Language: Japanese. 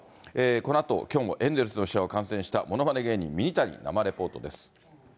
このあと、きょうもエンゼルスの試合を観戦したものまね芸人、ミニタニ生レポートです。